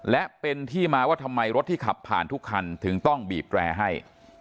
และเป็นที่มาว่าทำไมรถที่ขับผ่านทุกคันถึงต้องบีบแร่ให้